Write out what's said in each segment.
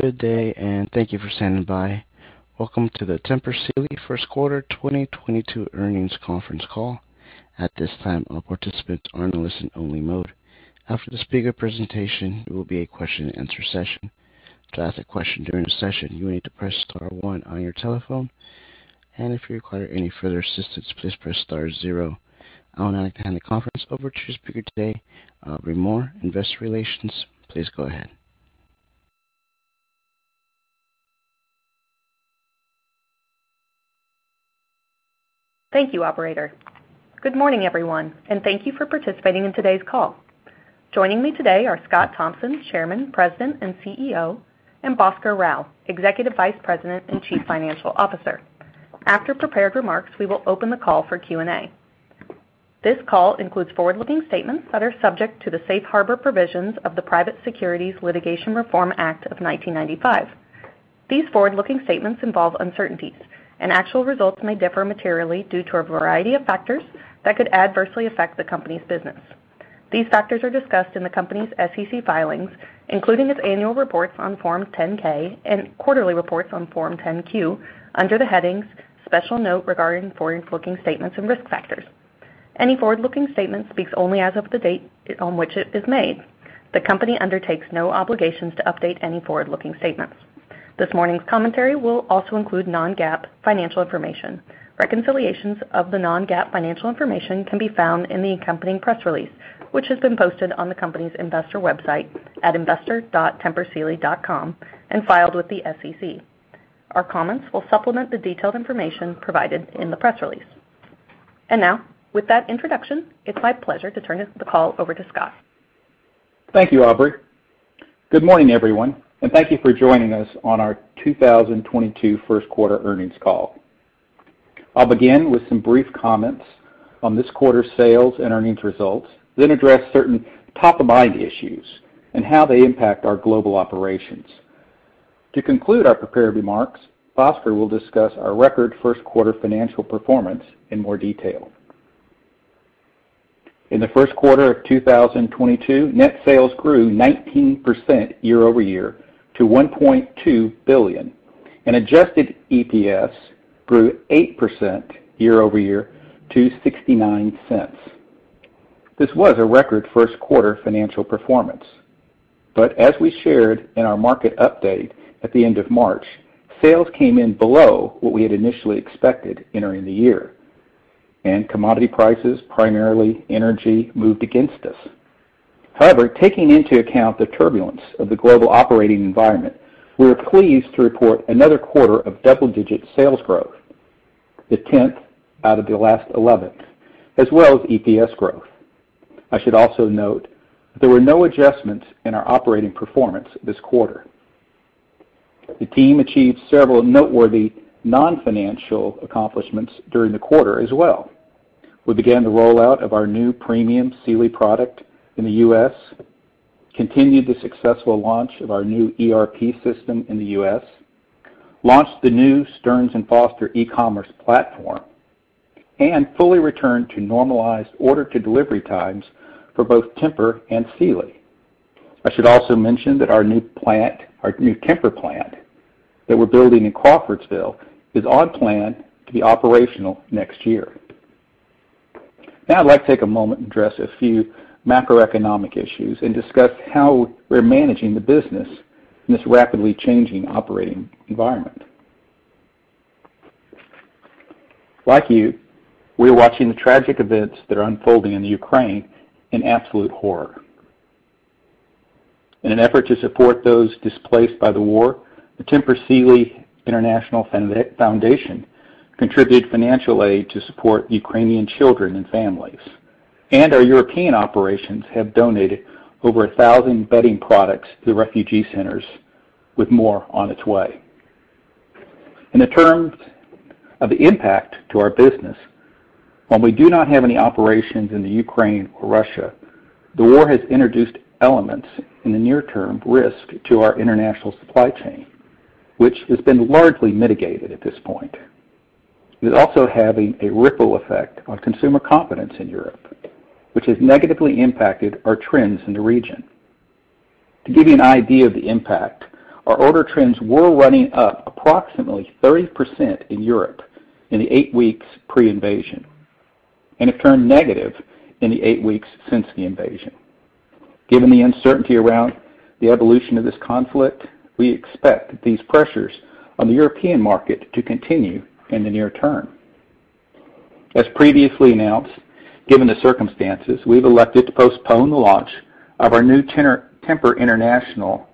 Good day, and thank you for standing by. Welcome to the Tempur Sealy First Quarter 2022 Earnings Conference Call. At this time, all participants are in a listen-only mode. After the speaker presentation, there will be a question and answer session. To ask a question during the session, you will need to press star one on your telephone, and if you require any further assistance, please press star zero. I would now like to hand the conference over to the speaker today, Aubrey Moore, Investor Relations. Please go ahead. Thank you, operator. Good morning, everyone, and thank you for participating in today's call. Joining me today are Scott Thompson, Chairman, President, and CEO, and Bhaskar Rao, Executive Vice President and Chief Financial Officer. After prepared remarks, we will open the call for Q&A. This call includes forward-looking statements that are subject to the safe harbor provisions of the Private Securities Litigation Reform Act of 1995. These forward-looking statements involve uncertainties, and actual results may differ materially due to a variety of factors that could adversely affect the company's business. These factors are discussed in the company's SEC filings, including its annual reports on Form 10-K and quarterly reports on Form 10-Q under the headings Special Note Regarding Forward-Looking Statements and Risk Factors. Any forward-looking statement speaks only as of the date on which it is made. The company undertakes no obligations to update any forward-looking statements. This morning's commentary will also include non-GAAP financial information. Reconciliations of the non-GAAP financial information can be found in the accompanying press release, which has been posted on the company's investor website at investor.tempursealy.com and filed with the SEC. Our comments will supplement the detailed information provided in the press release. Now, with that introduction, it's my pleasure to turn the call over to Scott. Thank you, Aubrey. Good morning, everyone, and thank you for joining us on our 2022 first quarter earnings call. I'll begin with some brief comments on this quarter's sales and earnings results, then address certain top of mind issues and how they impact our global operations. To conclude our prepared remarks, Bhaskar will discuss our record first quarter financial performance in more detail. In the first quarter of 2022, net sales grew 19% year-over-year to $1.2 billion, and adjusted EPS grew 8% year-over-year to $0.69. This was a record first quarter financial performance. As we shared in our market update at the end of March, sales came in below what we had initially expected entering the year, and commodity prices, primarily energy, moved against us. However, taking into account the turbulence of the global operating environment, we are pleased to report another quarter of double-digit sales growth, the 10th out of the last 11, as well as EPS growth. I should also note there were no adjustments in our operating performance this quarter. The team achieved several noteworthy non-financial accomplishments during the quarter as well. We began the rollout of our new premium Sealy product in the U.S., continued the successful launch of our new ERP system in the U.S., launched the new Stearns & Foster e-commerce platform, and fully returned to normalized order to delivery times for both Tempur-Pedic and Sealy. I should also mention that our new plant, our new Tempur-Pedic plant that we're building in Crawfordsville is on plan to be operational next year. Now, I'd like to take a moment and address a few macroeconomic issues and discuss how we're managing the business in this rapidly changing operating environment. Like you, we're watching the tragic events that are unfolding in the Ukraine in absolute horror. In an effort to support those displaced by the war, the Tempur Sealy Foundation contributed financial aid to support Ukrainian children and families, and our European operations have donated over 1,000 bedding products to the refugee centers, with more on its way. In terms of the impact to our business, while we do not have any operations in the Ukraine or Russia, the war has in introduced elements of near-term risk to our international supply chain, which has been largely mitigated at this point. It is also having a ripple effect on consumer confidence in Europe, which has negatively impacted our trends in the region. To give you an idea of the impact, our order trends were running up approximately 30% in Europe in the eight weeks pre-invasion and have turned negative in the eight weeks since the invasion. Given the uncertainty around the evolution of this conflict, we expect these pressures on the European market to continue in the near term. As previously announced, given the circumstances, we've elected to postpone the launch of our new Tempur-Pedic International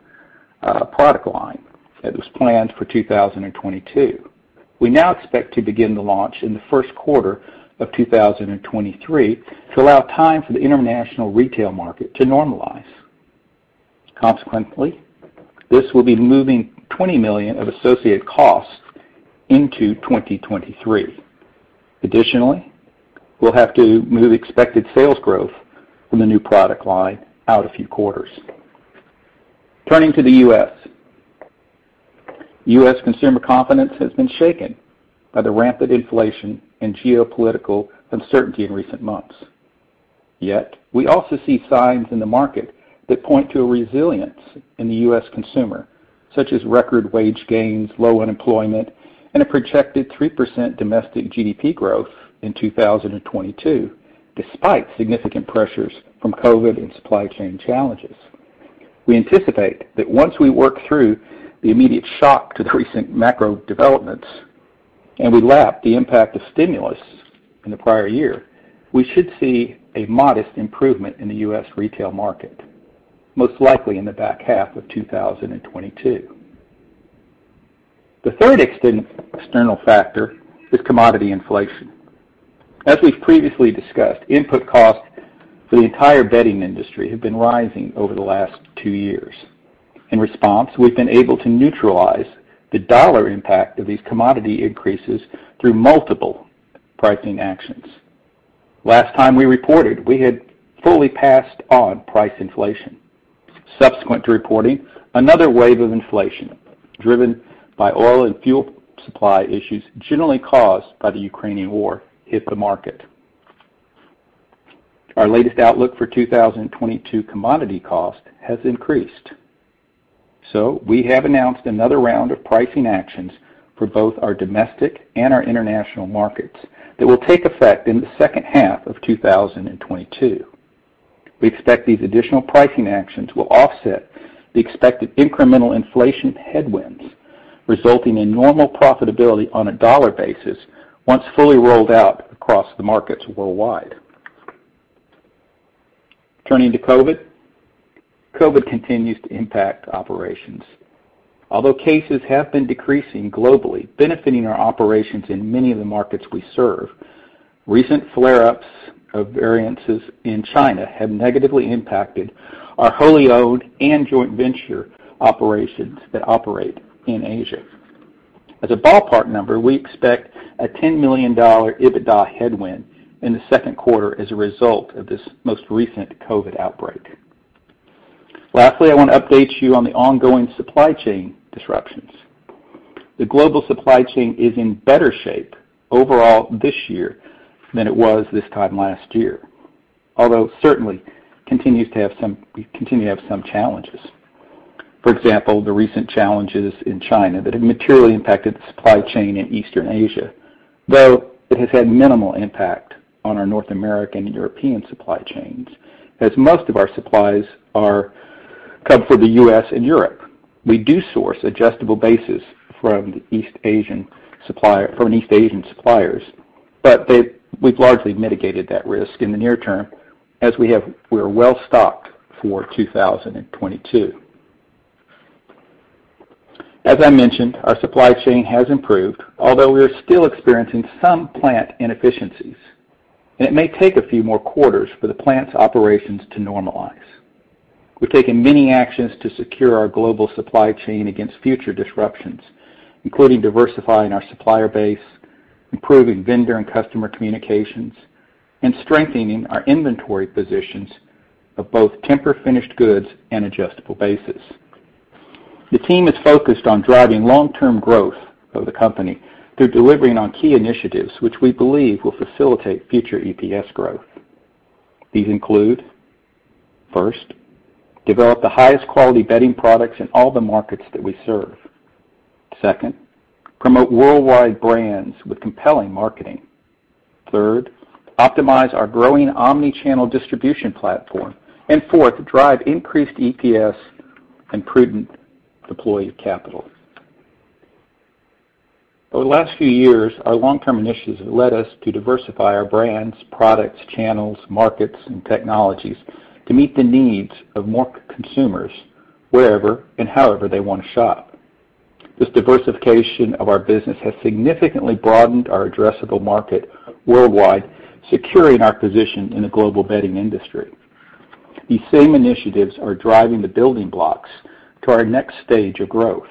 product line that was planned for 2022. We now expect to begin the launch in the first quarter of 2023 to allow time for the international retail market to normalize. Consequently, this will be moving $20 million of associated costs into 2023. Additionally, we'll have to move expected sales growth from the new product line out a few quarters. Turning to the U.S. consumer confidence has been shaken by the rampant inflation and geopolitical uncertainty in recent months. Yet, we also see signs in the market that point to a resilience in the U.S. consumer, such as record wage gains, low unemployment, and a projected 3% domestic GDP growth in 2022, despite significant pressures from COVID and supply chain challenges. We anticipate that once we work through the immediate shock to the recent macro developments and we lap the impact of stimulus in the prior year, we should see a modest improvement in the U.S. retail market, most likely in the back half of 2022. The third external factor is commodity inflation. As we've previously discussed, input costs for the entire bedding industry have been rising over the last two years. In response, we've been able to neutralize the dollar impact of these commodity increases through multiple pricing actions. Last time we reported, we had fully passed on price inflation. Subsequent to reporting, another wave of inflation driven by oil and fuel supply issues generally caused by the Ukrainian war hit the market. Our latest outlook for 2022 commodity cost has increased. We have announced another round of pricing actions for both our domestic and our international markets that will take effect in the second half of 2022. We expect these additional pricing actions will offset the expected incremental inflation headwinds, resulting in normal profitability on a dollar basis once fully rolled out across the markets worldwide. Turning to COVID. COVID continues to impact operations. Although cases have been decreasing globally, benefiting our operations in many of the markets we serve, recent flare-ups of variants in China have negatively impacted our wholly owned and joint venture operations that operate in Asia. As a ballpark number, we expect a $10 million EBITDA headwind in the second quarter as a result of this most recent COVID outbreak. Lastly, I wanna update you on the ongoing supply chain disruptions. The global supply chain is in better shape overall this year than it was this time last year, although we continue to have some challenges. For example, the recent challenges in China that have materially impacted the supply chain in Eastern Asia, though it has had minimal impact on our North American and European supply chains, as most of our supplies come from the U.S. and Europe. We do source adjustable bases from East Asian suppliers, but we've largely mitigated that risk in the near term as we have. We're well stocked for 2022. As I mentioned, our supply chain has improved, although we are still experiencing some plant inefficiencies, and it may take a few more quarters for the plant's operations to normalize. We've taken many actions to secure our global supply chain against future disruptions, including diversifying our supplier base, improving vendor and customer communications, and strengthening our inventory positions of both Tempur-Pedic finished goods and adjustable bases. The team is focused on driving long-term growth of the company through delivering on key initiatives which we believe will facilitate future EPS growth. These include, first, develop the highest quality bedding products in all the markets that we serve. Second, promote worldwide brands with compelling marketing. Third, optimize our growing omni-channel distribution platform. Fourth, drive increased EPS and prudently deploy capital. Over the last few years, our long-term initiatives have led us to diversify our brands, products, channels, markets, and technologies to meet the needs of more consumers wherever and however they wanna shop. This diversification of our business has significantly broadened our addressable market worldwide, securing our position in the global bedding industry. These same initiatives are driving the building blocks to our next stage of growth.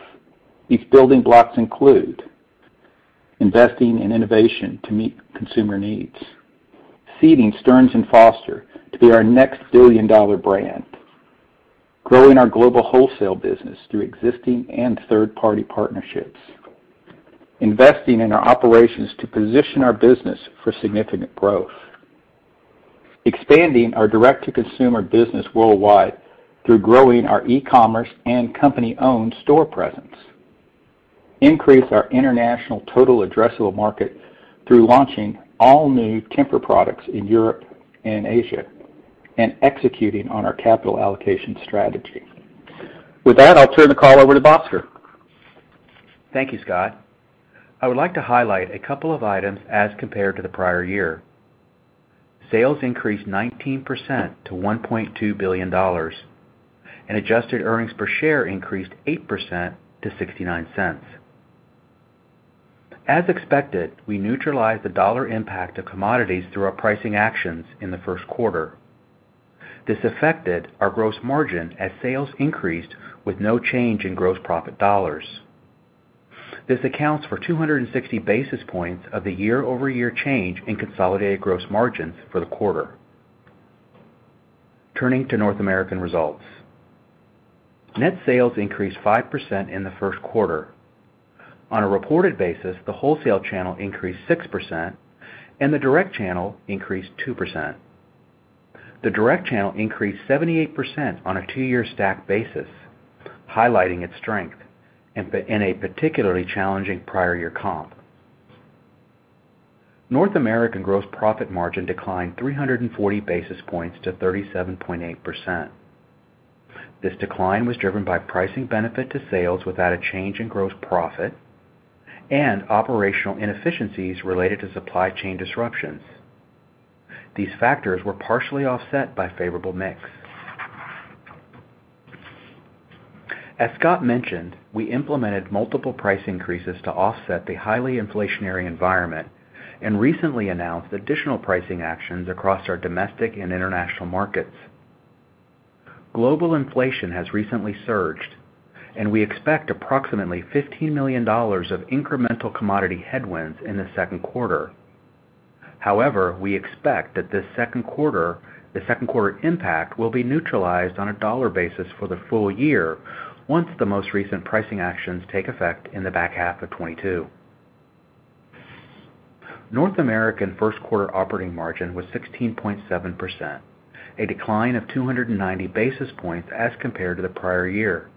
These building blocks include investing in innovation to meet consumer needs, seeding Stearns & Foster to be our next billion-dollar brand, growing our global wholesale business through existing and third-party partnerships, investing in our operations to position our business for significant growth, expanding our direct-to-consumer business worldwide through growing our e-commerce and company-owned store presence, increase our international total addressable market through launching all new Tempur-Pedic products in Europe and Asia, and executing on our capital allocation strategy. With that, I'll turn the call over to Bhaskar. Thank you, Scott. I would like to highlight a couple of items as compared to the prior year. Sales increased 19% to $1.2 billion, and adjusted earnings per share increased 8% to $0.69. As expected, we neutralized the dollar impact of commodities through our pricing actions in the first quarter. This affected our gross margin as sales increased with no change in gross profit dollars. This accounts for 260 basis points of the year-over-year change in consolidated gross margins for the quarter. Turning to North American results. Net sales increased 5% in the first quarter. On a reported basis, the wholesale channel increased 6% and the direct channel increased 2%. The direct channel increased 78% on a two-year stack basis, highlighting its strength in a particularly challenging prior year comp. North American gross profit margin declined 340 basis points to 37.8%. This decline was driven by pricing benefit to sales without a change in gross profit and operational inefficiencies related to supply chain disruptions. These factors were partially offset by favorable mix. As Scott mentioned, we implemented multiple price increases to offset the highly inflationary environment and recently announced additional pricing actions across our domestic and international markets. Global inflation has recently surged, and we expect approximately $15 million of incremental commodity headwinds in the second quarter. However, we expect that the second quarter impact will be neutralized on a dollar basis for the full year once the most recent pricing actions take effect in the back half of 2022. North American first quarter operating margin was 16.7%, a decline of 290 basis points as compared to the prior year.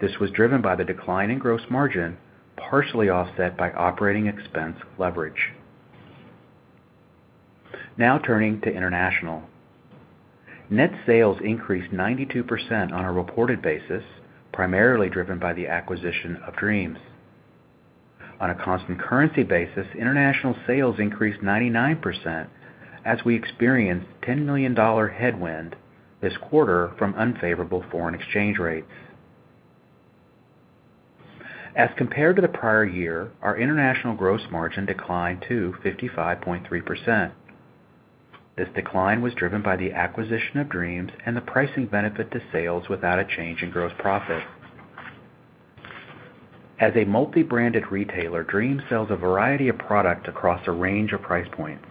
This was driven by the decline in gross margin, partially offset by operating expense leverage. Now turning to international. Net sales increased 92% on a reported basis, primarily driven by the acquisition of Dreams. On a constant currency basis, international sales increased 99% as we experienced $10 million headwind this quarter from unfavorable foreign exchange rates. As compared to the prior year, our international gross margin declined to 55.3%. This decline was driven by the acquisition of Dreams and the pricing benefit to sales without a change in gross profit. As a multi-branded retailer, Dreams sells a variety of products across a range of price points.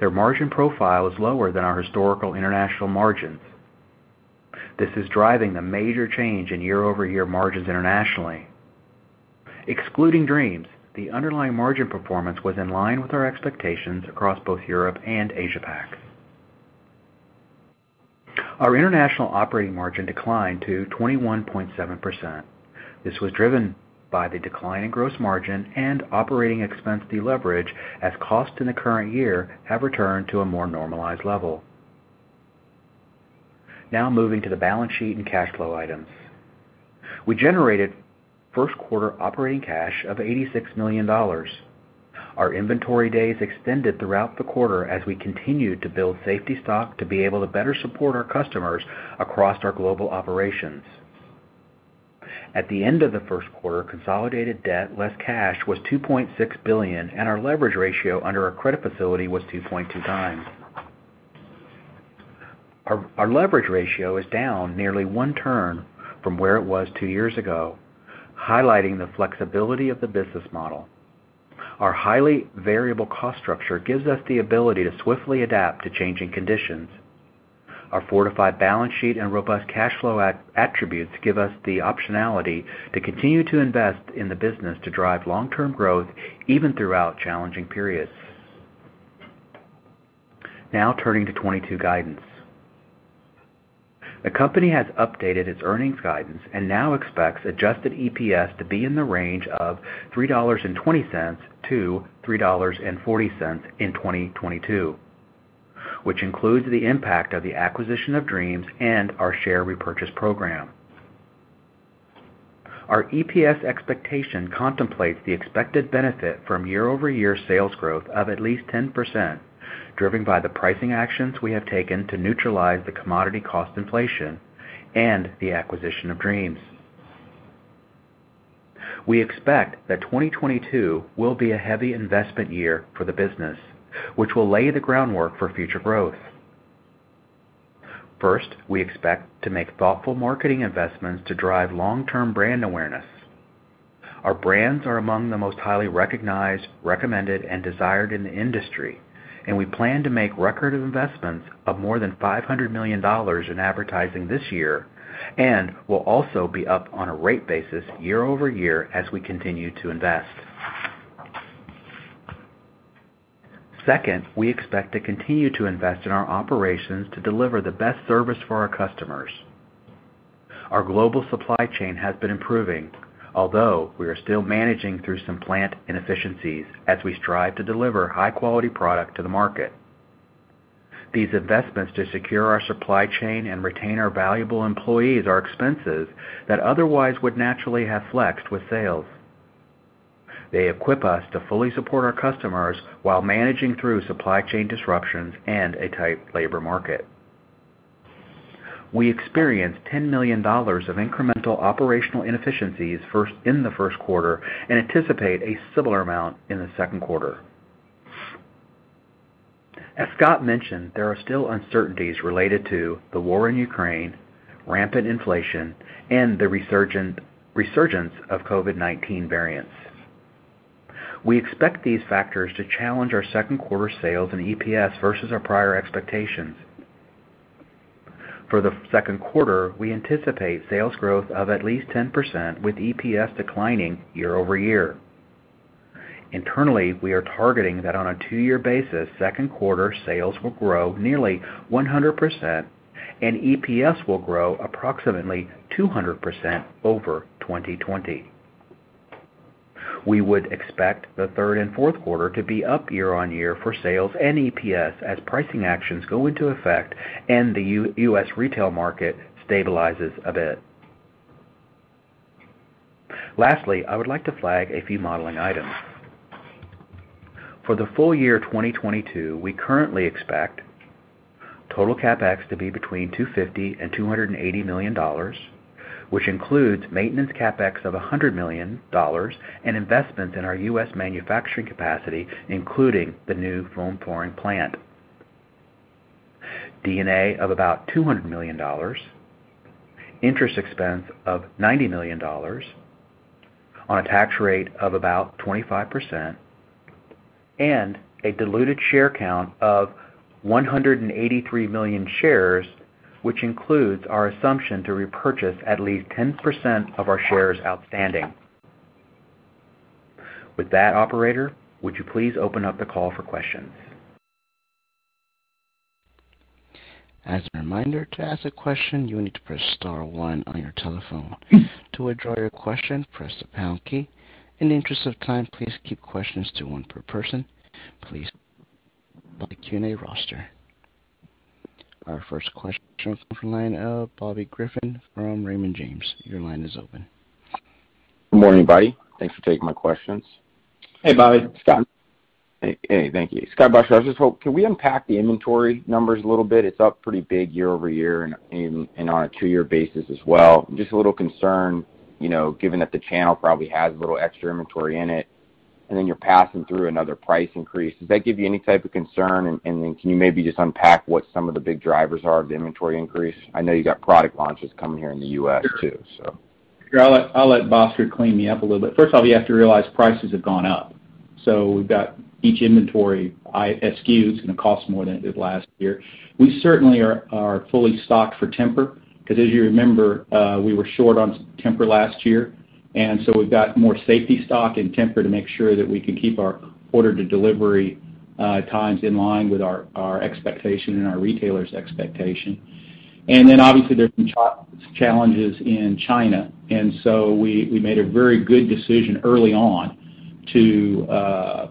Their margin profile is lower than our historical international margins. This is driving the major change in year-over-year margins internationally. Excluding Dreams, the underlying margin performance was in line with our expectations across both Europe and Asia-Pac. Our international operating margin declined to 21.7%. This was driven by the decline in gross margin and operating expense deleverage as costs in the current year have returned to a more normalized level. Now moving to the balance sheet and cash flow items. We generated first quarter operating cash of $86 million. Our inventory days extended throughout the quarter as we continued to build safety stock to be able to better support our customers across our global operations. At the end of the first quarter, consolidated debt, less cash, was $2.6 billion, and our leverage ratio under our credit facility was 2.2x. Our leverage ratio is down nearly one turn from where it was two years ago, highlighting the flexibility of the business model. Our highly variable cost structure gives us the ability to swiftly adapt to changing conditions. Our fortified balance sheet and robust cash flow attributes give us the optionality to continue to invest in the business to drive long-term growth even throughout challenging periods. Now turning to 2022 guidance. The company has updated its earnings guidance and now expects adjusted EPS to be in the range of $3.20-$3.40 in 2022, which includes the impact of the acquisition of Dreams and our share repurchase program. Our EPS expectation contemplates the expected benefit from year-over-year sales growth of at least 10%, driven by the pricing actions we have taken to neutralize the commodity cost inflation and the acquisition of Dreams. We expect that 2022 will be a heavy investment year for the business, which will lay the groundwork for future growth. First, we expect to make thoughtful marketing investments to drive long-term brand awareness. Our brands are among the most highly recognized, recommended, and desired in the industry, and we plan to make record investments of more than $500 million in advertising this year and will also be up on a rate basis year over year as we continue to invest. Second, we expect to continue to invest in our operations to deliver the best service for our customers. Our global supply chain has been improving, although we are still managing through some plant inefficiencies as we strive to deliver high quality product to the market. These investments to secure our supply chain and retain our valuable employees are expenses that otherwise would naturally have flexed with sales. They equip us to fully support our customers while managing through supply chain disruptions and a tight labor market. We experienced $10 million of incremental operational inefficiencies in the first quarter and anticipate a similar amount in the second quarter. As Scott mentioned, there are still uncertainties related to the war in Ukraine, rampant inflation, and the resurgence of COVID-19 variants. We expect these factors to challenge our second quarter sales and EPS versus our prior expectations. For the second quarter, we anticipate sales growth of at least 10% with EPS declining year-over-year. Internally, we are targeting that on a two-year basis, second quarter sales will grow nearly 100% and EPS will grow approximately 200% over 2020. We would expect the third and fourth quarter to be up year-on-year for sales and EPS as pricing actions go into effect and the U.S. retail market stabilizes a bit. Lastly, I would like to flag a few modeling items. For the full year 2022, we currently expect total CapEx to be between $250 million and $280 million, which includes maintenance CapEx of $100 million and investments in our U.S. manufacturing capacity, including the new foam pouring plant. D&A of about $200 million, interest expense of $90 million on a tax rate of about 25%, and a diluted share count of 183 million shares, which includes our assumption to repurchase at least 10% of our shares outstanding. With that, operator, would you please open up the call for questions? As a reminder, to ask a question, you need to press star one on your telephone. To withdraw your question, press the pound key. In the interest of time, please keep questions to one per person. Please the Q&A roster. Our first question comes from the line of Bobby Griffin from Raymond James. Your line is open. Good morning, buddy. Thanks for taking my questions. Hey, Bobby. Scott. Hey. Thank you. Scott, Bhaskar. I was just hoping. Can we unpack the inventory numbers a little bit? It's up pretty big year-over-year and on a two-year basis as well. Just a little concerned, you know, given that the channel probably has a little extra inventory in it, and then you're passing through another price increase. Does that give you any type of concern? Can you maybe just unpack what some of the big drivers are of the inventory increase? I know you got product launches coming here in the U.S. too, so. Sure. I'll let Bhaskar clean me up a little bit. First of all, you have to realize prices have gone up, so we've got each inventory SKU is gonna cost more than it did last year. We certainly are fully stocked for Tempur-Pedic because as you remember, we were short on Tempur-Pedic last year, and so we've got more safety stock in Tempur-Pedic to make sure that we can keep our order-to-delivery times in line with our expectation and our retailers expectation. Then obviously there's been challenges in China, and so we made a very good decision early on to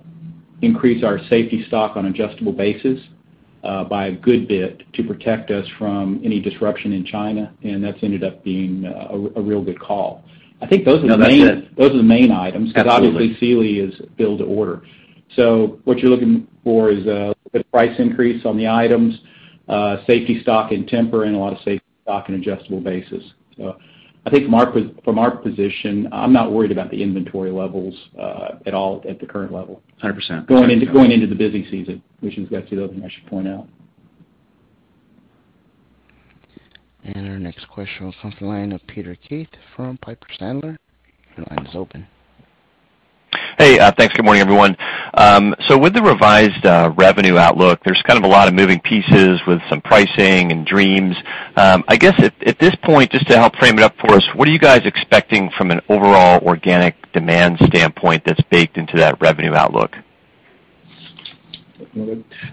increase our safety stock on adjustable bases by a good bit to protect us from any disruption in China, and that's ended up being a real good call. I think those are the main. No, that's it. Those are the main items. Absolutely. Obviously, Sealy is built to order. What you're looking for is the price increase on the items, safety stock and Tempur-Pedic, and a lot of safety stock and adjustable bases. I think from our position, I'm not worried about the inventory levels at all at the current level. 100%. Going into the busy season, which has got two open, I should point out. Our next question comes from the line of Peter Keith from Piper Sandler. Your line is open. Hey. Thanks. Good morning, everyone. With the revised revenue outlook, there's kind of a lot of moving pieces with some pricing and Dreams. I guess at this point, just to help frame it up for us, what are you guys expecting from an overall organic demand standpoint that's baked into that revenue outlook?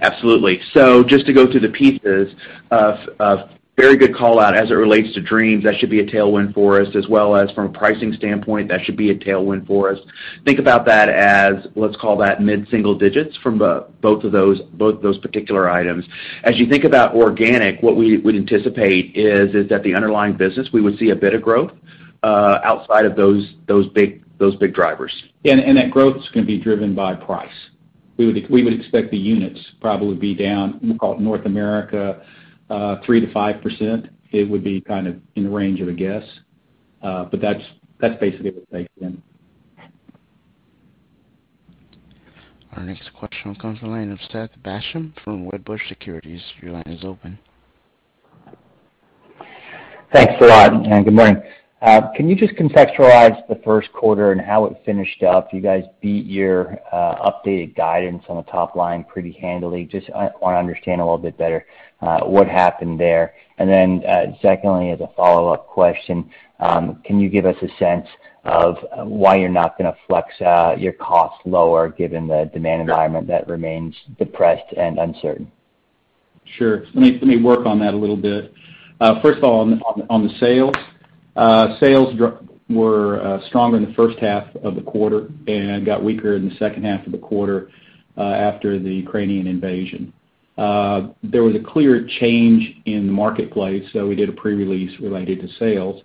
Absolutely. Just to go through the pieces of very good call out as it relates to Dreams, that should be a tailwind for us, as well as from a pricing standpoint, that should be a tailwind for us. Think about that as, let's call that mid-single digits from both of those, both those particular items. As you think about organic, what we would anticipate is that the underlying business, we would see a bit of growth outside of those big drivers. That growth's gonna be driven by price. We would expect the units probably be down, we call it North America, 3%-5%. It would be kind of in the range of a guess. But that's basically what it takes then. Our next question comes from the line of Seth Basham from Wedbush Securities. Your line is open. Thanks a lot, and good morning. Can you just contextualize the first quarter and how it finished up? You guys beat your updated guidance on the top line pretty handily. Just, I want to understand a little bit better what happened there. Then, secondly, as a follow-up question, can you give us a sense of why you're not gonna flex your costs lower given the demand environment that remains depressed and uncertain? Sure. Let me work on that a little bit. First of all, on the sales. Sales were stronger in the first half of the quarter and got weaker in the second half of the quarter after the Ukrainian invasion. There was a clear change in the marketplace, so we did a pre-release related to sales.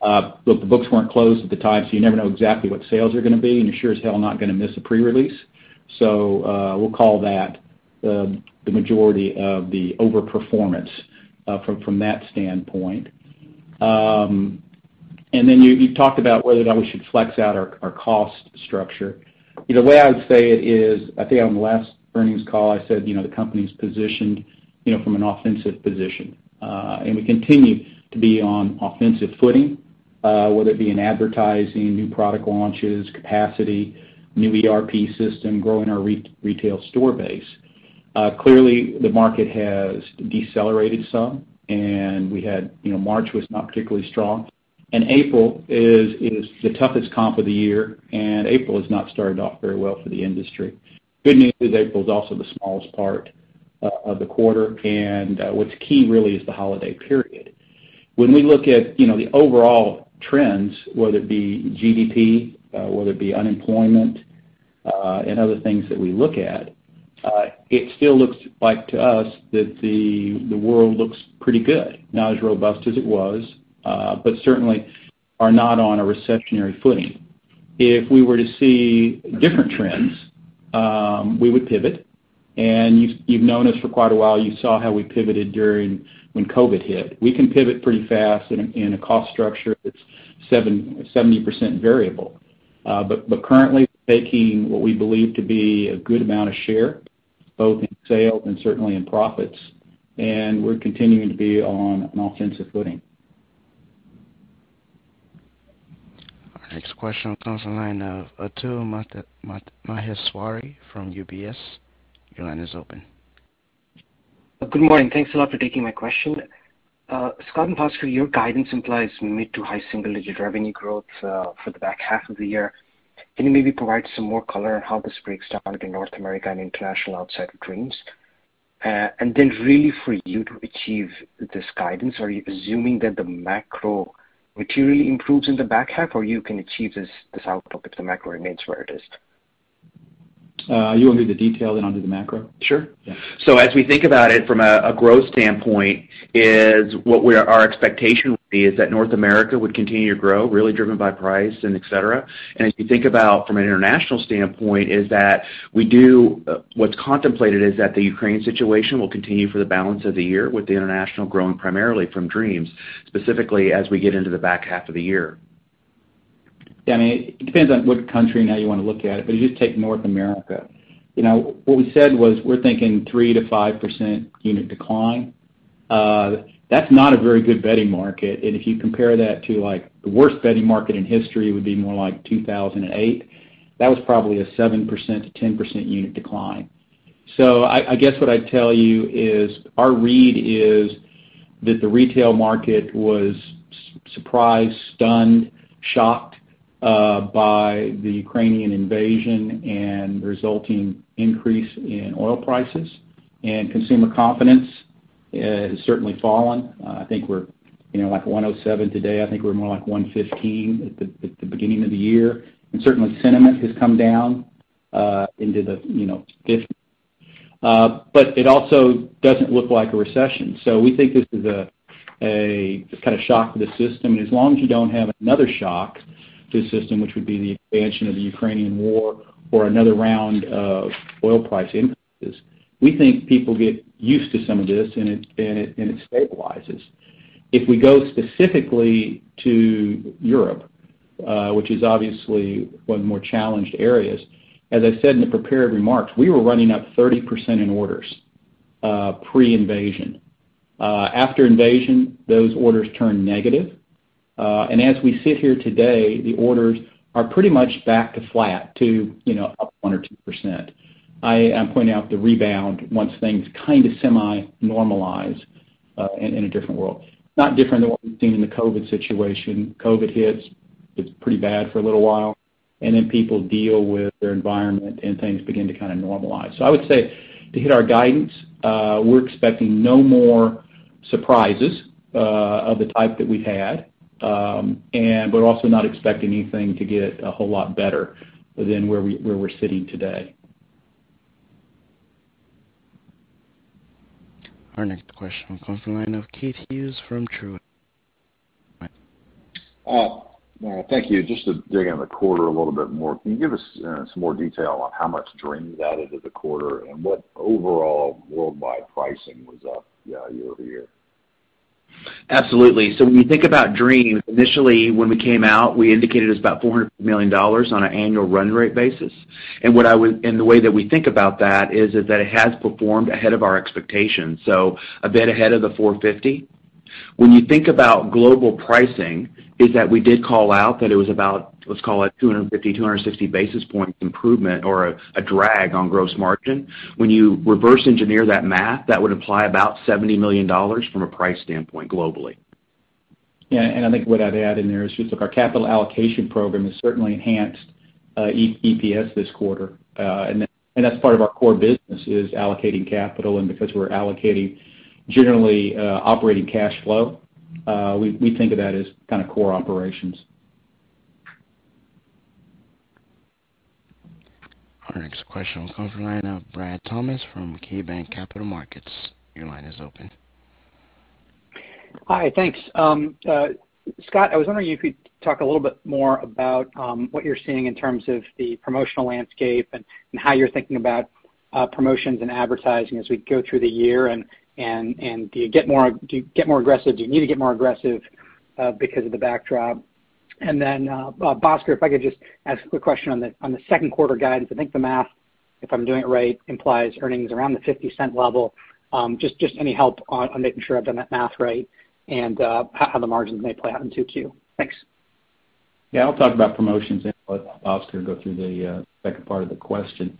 The books weren't closed at the time, so you never know exactly what sales are gonna be, and you're sure as hell not gonna miss a pre-release. We'll call that the majority of the over-performance from that standpoint. Then you talked about whether or not we should flex out our cost structure. You know, the way I would say it is, I think on the last earnings call I said, you know, the company's positioned, you know, from an offensive position, and we continue to be on offensive footing, whether it be in advertising, new product launches, capacity, new ERP system, growing our retail store base. Clearly the market has decelerated some, and we had, you know, March was not particularly strong. April is the toughest comp of the year, and April has not started off very well for the industry. Good news is April's also the smallest part of the quarter, and what's key really is the holiday period. When we look at, you know, the overall trends, whether it be GDP, whether it be unemployment, and other things that we look at, it still looks like to us that the world looks pretty good. Not as robust as it was, but certainly are not on a recessionary footing. If we were to see different trends, we would pivot. You've known us for quite a while. You saw how we pivoted when COVID hit. We can pivot pretty fast in a cost structure that's 70% variable. But currently taking what we believe to be a good amount of share, both in sales and certainly in profits. We're continuing to be on an offensive footing. Our next question comes from the line of Atul Maheshwari from UBS. Your line is open. Good morning. Thanks a lot for taking my question. Scott and Bhaskar Rao, your guidance implies mid- to high single-digit% revenue growth for the back half of the year. Can you maybe provide some more color on how this breaks down in North America and International outside of Dreams? Really for you to achieve this guidance, are you assuming that the macro materially improves in the back half, or you can achieve this outlook if the macro remains where it is? You want to do the detail, then I'll do the macro? Sure. Yeah. As we think about it from a growth standpoint, our expectation would be is that North America would continue to grow, really driven by price and et cetera. As you think about from an international standpoint, what's contemplated is that the Ukraine situation will continue for the balance of the year with the international growing primarily from Dreams, specifically as we get into the back half of the year. I mean, it depends on what country and how you want to look at it, but just take North America. You know, what we said was we're thinking 3%-5% unit decline. That's not a very good bedding market. If you compare that to, like, the worst bedding market in history would be more like 2008, that was probably a 7%-10% unit decline. I guess what I'd tell you is our read is that the retail market was surprised, stunned, shocked by the Ukrainian invasion and resulting increase in oil prices. Consumer confidence has certainly fallen. I think we're, you know, like 107 today. I think we're more like 115 at the beginning of the year. Certainly sentiment has come down into the, you know, 50s. It also doesn't look like a recession. We think this is a just kind of shock to the system. As long as you don't have another shock to the system, which would be the expansion of the Ukrainian war or another round of oil price increases, we think people get used to some of this, and it stabilizes. If we go specifically to Europe, which is obviously one of the more challenged areas, as I said in the prepared remarks, we were running up 30% in orders pre-invasion. After invasion, those orders turned negative. As we sit here today, the orders are pretty much back to flat to, you know, up 1% or 2%. I am pointing out the rebound once things kind of semi-normalize in a different world. Not different than what we've seen in the COVID situation. COVID hits, it's pretty bad for a little while, and then people deal with their environment, and things begin to kind of normalize. I would say to hit our guidance, we're expecting no more surprises of the type that we've had, and we're also not expecting anything to get a whole lot better than where we're sitting today. Our next question comes from the line of Keith Hughes from Truist. Thank you. Just to dig on the quarter a little bit more. Can you give us some more detail on how much Dreams added to the quarter and what overall worldwide pricing was up year over year? Absolutely. When you think about Dreams, initially when we came out, we indicated it was about $400 million on an annual run rate basis. The way that we think about that is that it has performed ahead of our expectations, a bit ahead of the $450. When you think about global pricing, it is that we did call out that it was about, let's call it 250, 260 basis point improvement or a drag on gross margin. When you reverse engineer that math, that would imply about $70 million from a price standpoint globally. Yeah. I think what I'd add in there is just look, our capital allocation program has certainly enhanced EPS this quarter. That that's part of our core business is allocating capital. Because we're allocating generally operating cash flow, we think of that as kind of core operations. Our next question comes from the line of Brad Thomas from KeyBanc Capital Markets. Your line is open. Hi. Thanks. Scott, I was wondering if you could talk a little bit more about what you're seeing in terms of the promotional landscape and how you're thinking about promotions and advertising as we go through the year. Do you get more aggressive? Do you need to get more aggressive because of the backdrop? Bhaskar, if I could just ask a quick question on the second quarter guidance. I think the math, if I'm doing it right, implies earnings around the $0.50 level. Just any help on making sure I've done that math right and how the margins may play out in 2Q? Thanks. Yeah, I'll talk about promotions and let Bhaskar go through the second part of the question.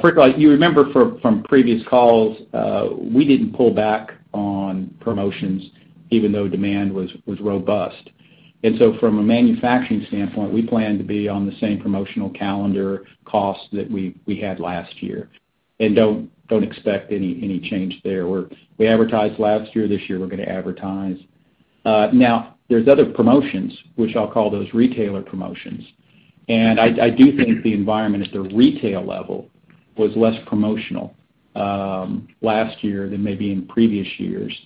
First of all, you remember from previous calls, we didn't pull back on promotions even though demand was robust. From a manufacturing standpoint, we plan to be on the same promotional calendar costs that we had last year and don't expect any change there. We advertised last year, this year we're gonna advertise. Now there's other promotions, which I'll call those retailer promotions. I do think the environment at the retail level was less promotional last year than maybe in previous years.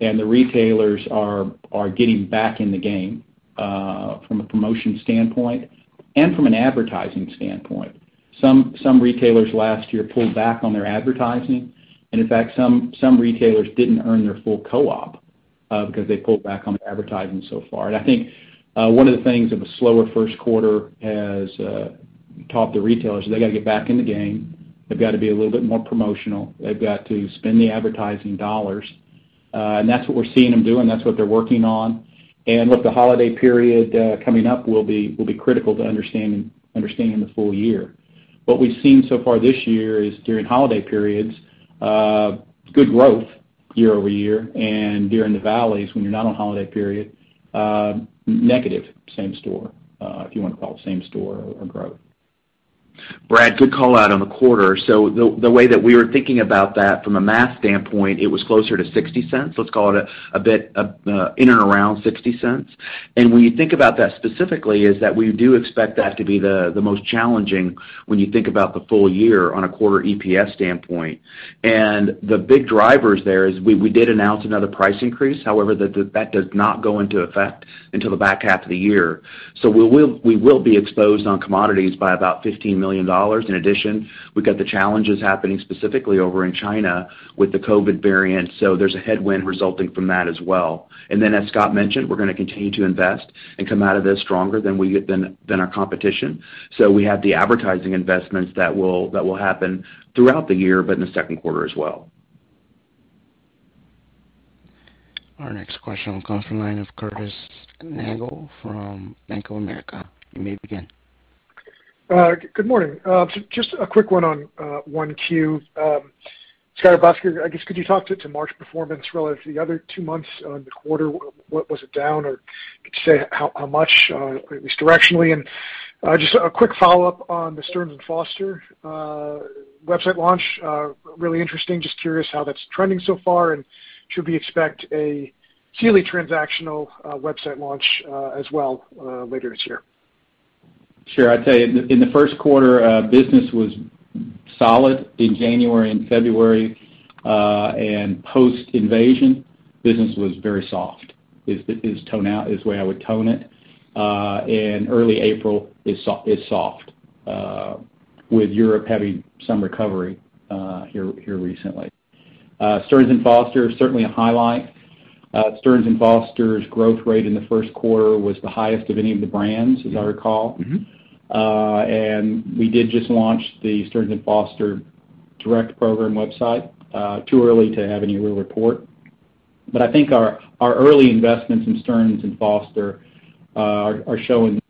The retailers are getting back in the game from a promotion standpoint and from an advertising standpoint. Some retailers last year pulled back on their advertising. In fact, some retailers didn't earn their full co-op, because they pulled back on advertising so far. I think one of the things of a slower first quarter has taught the retailers, they gotta get back in the game. They've got to be a little bit more promotional. They've got to spend the advertising dollars. That's what we're seeing them doing. That's what they're working on. Look, the holiday period coming up will be critical to understanding the full year. What we've seen so far this year is during holiday periods, good growth year-over-year and during the valleys when you're not on holiday period, negative same store, if you wanna call it same store or growth. Brad, good call out on the quarter. The way that we were thinking about that from a math standpoint, it was closer to $0.60. Let's call it a bit in and around $0.60. When you think about that specifically is that we do expect that to be the most challenging when you think about the full year on a quarter EPS standpoint. The big drivers there is we did announce another price increase. However, that does not go into effect until the back half of the year. We will be exposed on commodities by about $15 million. In addition, we've got the challenges happening specifically over in China with the COVID-19 variant, so there's a headwind resulting from that as well. As Scott mentioned, we're gonna continue to invest and come out of this stronger than we have been, than our competition. We have the advertising investments that will happen throughout the year, but in the second quarter as well. Our next question will come from the line of Curtis Nagle from Bank of America. You may begin. Good morning. So just a quick one on one Q. Scott or Bhaskar, I guess could you talk to March performance relative to the other two months on the quarter? What was it, down, or could you say how much, at least directionally? Just a quick follow-up on the Stearns & Foster website launch. Really interesting. Just curious how that's trending so far, and should we expect a Sealy transactional website launch as well later this year? Sure. I'd tell you, in the first quarter, business was solid in January and February. Post-invasion business was very soft, toned out is the way I would tone it. Early April is soft, with Europe having some recovery, here recently. Stearns & Foster is certainly a highlight. Stearns & Foster's growth rate in the first quarter was the highest of any of the brands, as I recall. Mm-hmm. We did just launch the Stearns & Foster direct program website, too early to have any real report. I think our early investments in Stearns & Foster are showing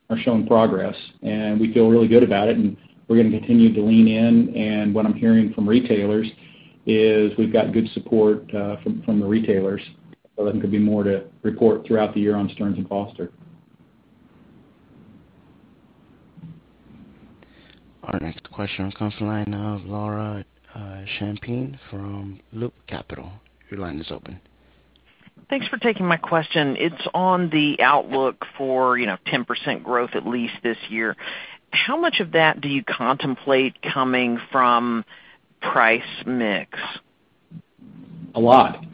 progress, and we feel really good about it, and we're gonna continue to lean in. What I'm hearing from retailers is we've got good support from the retailers. I think there'll be more to report throughout the year on Stearns & Foster. Our next question comes from the line of Laura Champine from Loop Capital Markets. Your line is open. Thanks for taking my question. It's on the outlook for, you know, 10% growth at least this year. How much of that do you contemplate coming from price mix? A lot.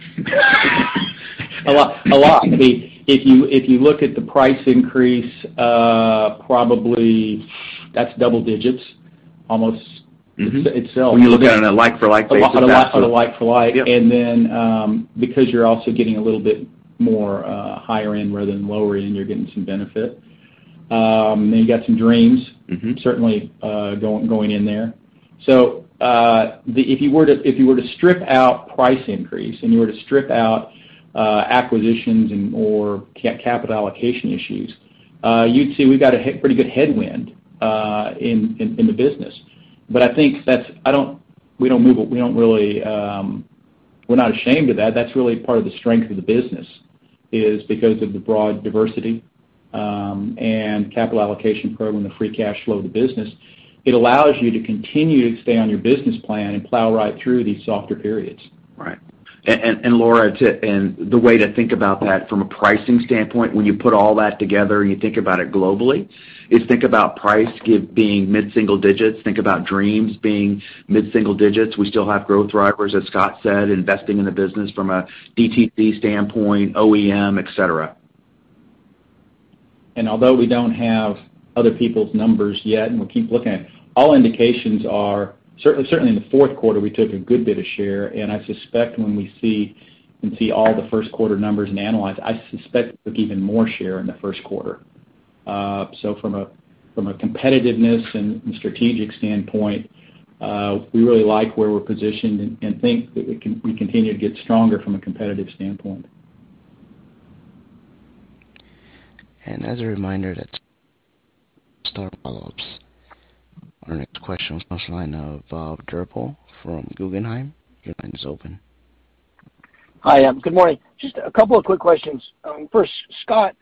I mean, if you look at the price increase, probably that's double digits almost. Mm-hmm itself. When you look at it on a like for like basis. On a like for like. Yep. because you're also getting a little bit more, higher end rather than lower end, you're getting some benefit. You got some Dreams- Mm-hmm Certainly going in there. If you were to strip out price increase and strip out acquisitions and more capital allocation issues, you'd see we've got a pretty good headwind in the business. But I think that's. We don't move it. We're not ashamed of that. That's really part of the strength of the business, is because of the broad diversity and capital allocation program, the free cash flow of the business. It allows you to continue to stay on your business plan and plow right through these softer periods. Right. Laura, the way to think about that from a pricing standpoint, when you put all that together and you think about it globally, is think about price being mid-single digits. Think about Dreams being mid-single digits. We still have growth drivers, as Scott said, investing in the business from a DTC standpoint, OEM, et cetera. Although we don't have other people's numbers yet, and we'll keep looking at it, all indications are certainly in the fourth quarter, we took a good bit of share, and I suspect when we see all the first quarter numbers and analyze, I suspect we'll take even more share in the first quarter. From a competitiveness and strategic standpoint, we really like where we're positioned and think that we continue to get stronger from a competitive standpoint. As a reminder that follow-ups. Our next question comes from the line of Robert Drbul from Guggenheim. Your line is open. Hi, good morning. Just a couple of quick questions. First, Scott,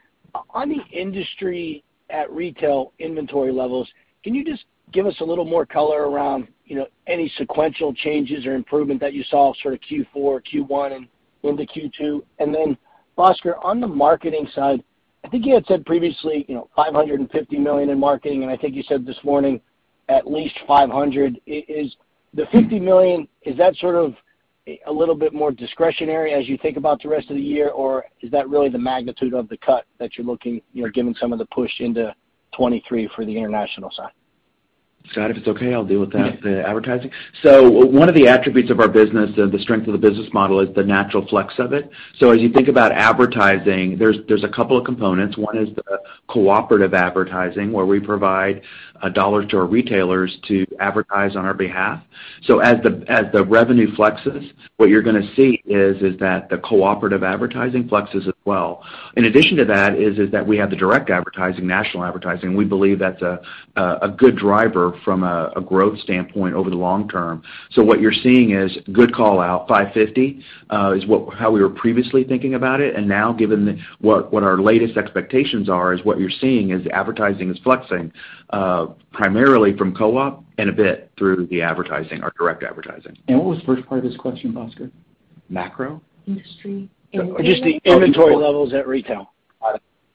on the industry at retail inventory levels, can you just give us a little more color around, you know, any sequential changes or improvement that you saw sort of Q4, Q1 and into Q2? Bhaskar, on the marketing side, I think you had said previously, you know, $550 million in marketing, and I think you said this morning, at least $500. Is the $50 million, is that sort of a little bit more discretionary as you think about the rest of the year? Or is that really the magnitude of the cut that you're looking, you know, given some of the push into 2023 for the international side? Scott, if it's okay, I'll deal with that, the advertising. One of the attributes of our business and the strength of the business model is the natural flex of it. As you think about advertising, there's a couple of components. One is the cooperative advertising, where we provide a dollar to our retailers to advertise on our behalf. As the revenue flexes, what you're gonna see is that the cooperative advertising flexes as well. In addition to that is that we have the direct advertising, national advertising. We believe that's a good driver from a growth standpoint over the long term. What you're seeing is good call out, $550 is how we were previously thinking about it. Now, given what our latest expectations are, what you're seeing is advertising is flexing, primarily from co-op and a bit through the advertising or direct advertising. What was the first part of this question, Bhaskar? Macro. Industry. Just the inventory levels at retail.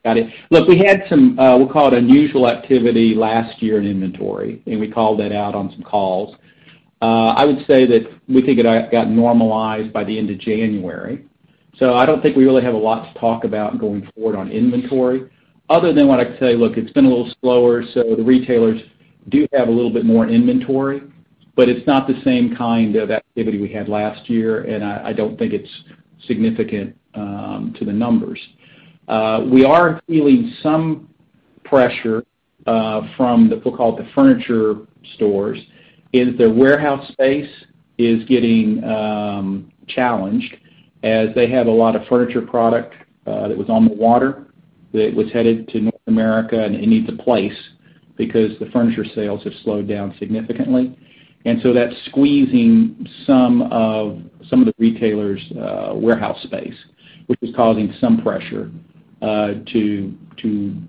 Got it. Look, we had some, we'll call it unusual activity last year in inventory, and we called that out on some calls. I would say that we think it got normalized by the end of January. I don't think we really have a lot to talk about going forward on inventory other than what I can tell you, look, it's been a little slower, so the retailers do have a little bit more inventory, but it's not the same kind of activity we had last year, and I don't think it's significant to the numbers. We are feeling some pressure from the, we'll call it, the furniture stores. Is their warehouse space getting challenged as they have a lot of furniture product that was on the water that was headed to North America and it needs a place because the furniture sales have slowed down significantly. That's squeezing some of the retailers' warehouse space, which is causing some pressure to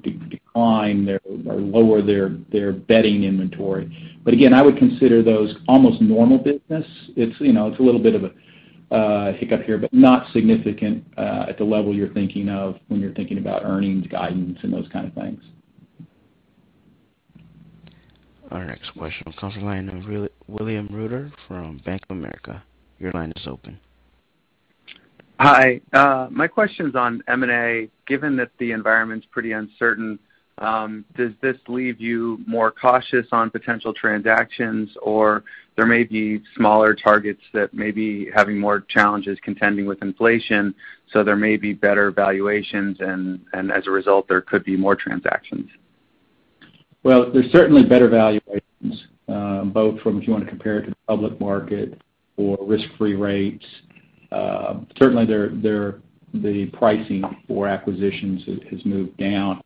decline their or lower their bedding inventory. Again, I would consider those almost normal business. It's, you know, it's a little bit of a hiccup here, but not significant at the level you're thinking of when you're thinking about earnings guidance and those kind of things. Our next question comes from the line of William Reuter from Bank of America. Your line is open. Hi. My question's on M&A. Given that the environment's pretty uncertain, does this leave you more cautious on potential transactions? Or there may be smaller targets that may be having more challenges contending with inflation, so there may be better valuations and, as a result, there could be more transactions. Well, there's certainly better valuations, both from if you wanna compare it to the public market or risk-free rates. Certainly, the pricing for acquisitions has moved down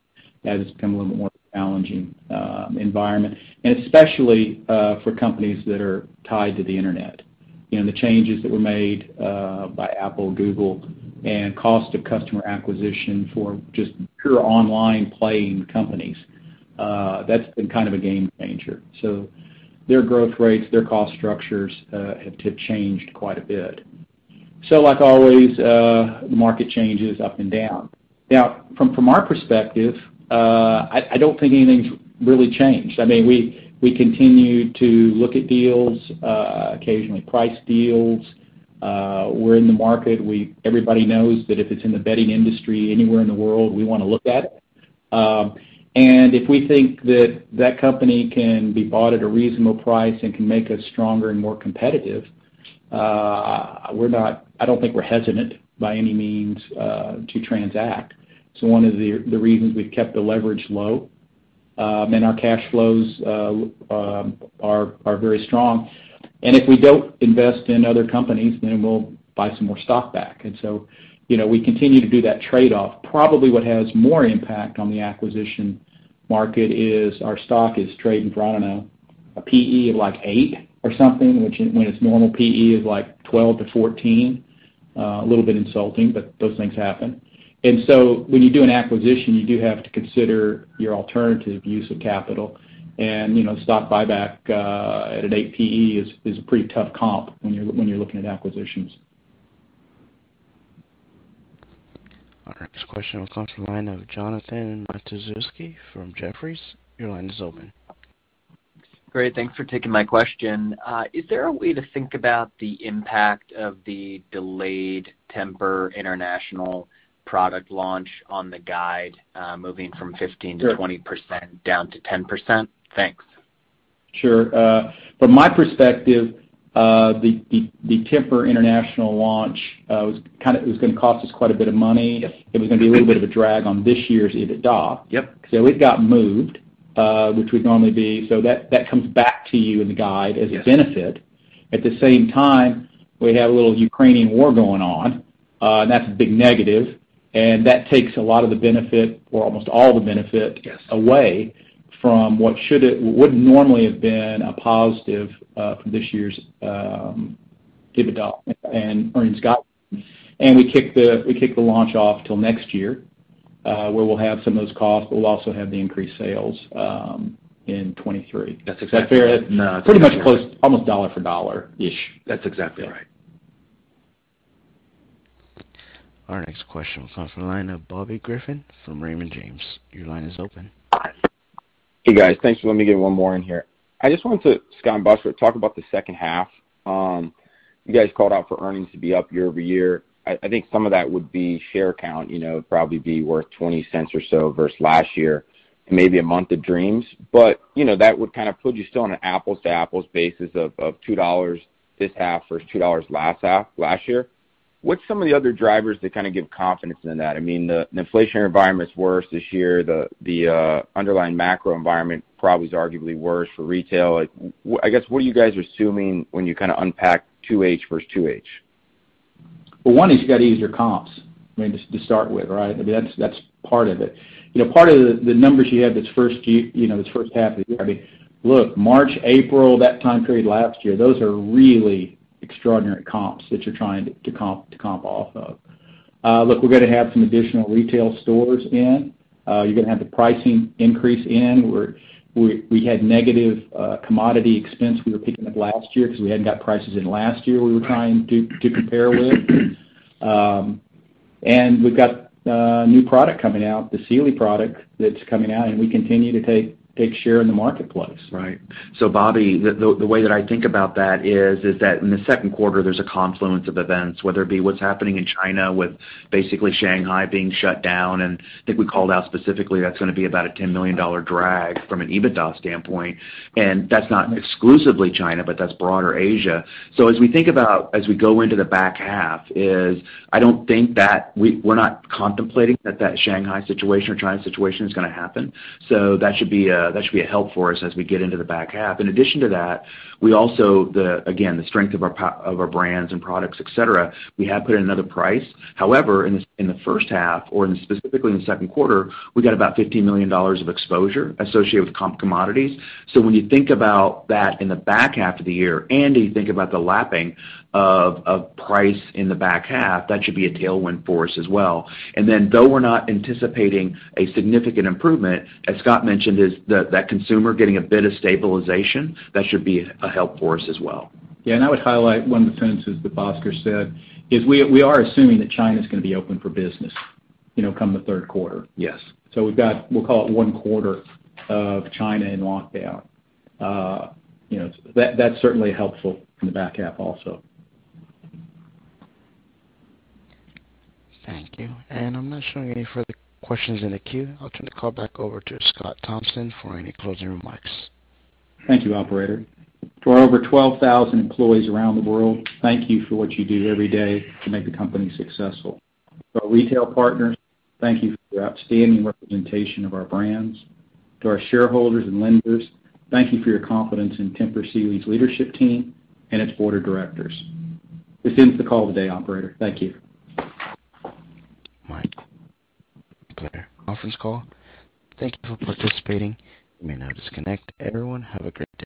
as it's become a little more challenging environment. Especially for companies that are tied to the internet. You know, the changes that were made by Apple, Google and cost of customer acquisition for just pure online player companies, that's been kind of a game changer. Their growth rates, their cost structures have changed quite a bit. Like always, the market changes up and down. Now from our perspective, I don't think anything's really changed. I mean, we continue to look at deals, occasionally price deals. We're in the market. Everybody knows that if it's in the bedding industry anywhere in the world, we wanna look at it. If we think that that company can be bought at a reasonable price and can make us stronger and more competitive, I don't think we're hesitant by any means to transact. It's one of the reasons we've kept the leverage low. Our cash flows are very strong. If we don't invest in other companies, then we'll buy some more stock back. You know, we continue to do that trade-off. Probably what has more impact on the acquisition market is our stock is trading for, I don't know, a PE of like 8 or something, which when it's normal, PE is like 12-14. A little bit insulting, but those things happen. When you do an acquisition, you do have to consider your alternative use of capital. You know, stock buyback at an 8 P/E is a pretty tough comp when you're looking at acquisitions. Our next question will come from the line of Jonathan Matuszewski from Jefferies. Your line is open. Great. Thanks for taking my question. Is there a way to think about the impact of the delayed Tempur-Pedic international product launch on the guide, moving from 15%-20% down to 10%? Thanks. Sure. From my perspective, the Tempur-Pedic international launch was gonna cost us quite a bit of money. Yes. It was gonna be a little bit of a drag on this year's EBITDA. Yep. It got moved, which would normally be. That comes back to you in the guide as a benefit. Yes. At the same time, we have a little Ukrainian war going on, and that's a big negative, and that takes a lot of the benefit or almost all the benefit. Yes... away from what would normally have been a positive for this year's EBITDA and earnings guide. We kick the launch off till next year, where we'll have some of those costs, but we'll also have the increased sales in 2023. That's exactly right. Is that fair? No. Pretty much close, almost dollar for dollar-ish. That's exactly right. Our next question comes from the line of Bobby Griffin from Raymond James. Your line is open. Hey, guys. Thanks for letting me get one more in here. I just wanted to, Scott and Bhaskar, talk about the second half. You guys called out for earnings to be up year-over-year. I think some of that would be share count, you know, would probably be worth $0.20 or so versus last year and maybe a month of Dreams. You know, that would kind of put you still on an apples to apples basis of $2 this half versus $2 last half last year. What are some of the other drivers that kind of give confidence in that? I mean, the inflation environment's worse this year. The underlying macro environment probably is arguably worse for retail. Like, I guess, what are you guys assuming when you kinda unpack 2H versus 2H? Well, one is you've got easier comps, I mean, to start with, right? I mean, that's part of it. You know, part of the numbers you had this first half of the year, I mean, look, March, April, that time period last year, those are really extraordinary comps that you're trying to comp off of. Look, we're gonna have some additional retail stores in. You're gonna have the pricing increase in. We had negative commodity expense we were picking up last year because we hadn't got prices in last year we were trying to compare with. And we've got new product coming out, the Sealy product that's coming out, and we continue to take share in the marketplace. Right. Bobby, the way that I think about that is that in the second quarter there's a confluence of events, whether it be what's happening in China with basically Shanghai being shut down, and I think we called out specifically that's gonna be about a $10 million drag from an EBITDA standpoint. That's not exclusively China, but that's broader Asia. As we think about as we go into the back half, I don't think that we're not contemplating that Shanghai situation or China situation is gonna happen. That should be a help for us as we get into the back half. In addition to that, again, the strength of our brands and products, et cetera, we have put another price. However, in the first half or specifically in the second quarter, we got about $15 million of exposure associated with commodities. When you think about that in the back half of the year and you think about the lapping of price in the back half, that should be a tailwind for us as well. Then though we're not anticipating a significant improvement, as Scott mentioned, that consumer getting a bit of stabilization, that should be a help for us as well. Yeah, I would highlight one of the sentences that Bhaskar said is we are assuming that China's gonna be open for business, you know, come the third quarter. Yes. We've got, we'll call it one quarter of China in lockdown. You know, that's certainly helpful in the back half also. Thank you. I'm not showing any further questions in the queue. I'll turn the call back over to Scott Thompson for any closing remarks. Thank you, operator. To our over 12,000 employees around the world, thank you for what you do every day to make the company successful. To our retail partners, thank you for your outstanding representation of our brands. To our shareholders and lenders, thank you for your confidence in Tempur Sealy's leadership team and its board of directors. This ends the call today, operator. Thank you. We conclude today's conference call. Thank you for participating. You may now disconnect. Everyone, have a great day.